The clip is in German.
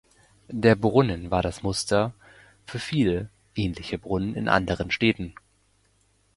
Der Brunnen war das Muster für viele ähnliche Brunnen in anderen Städten.